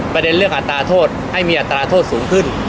ประเด็นเรื่องอัตราโทษให้มีอัตราโทษสูงขึ้น